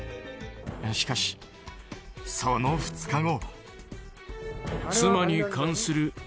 しかし、その２日後。